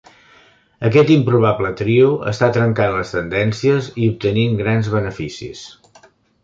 Aquest improbable trio està trencant les tendències i obtenint grans beneficis.